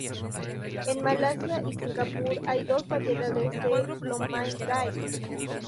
En Malasia y Singapur hay dos variedades de "lo mai gai".